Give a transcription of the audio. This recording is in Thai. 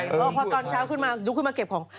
พอตอนเช้าขึ้นมาลุกขึ้นมาเก็บของ